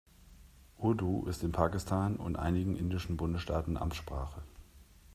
Urdu ist in Pakistan und einigen indischen Bundesstaaten Amtssprache.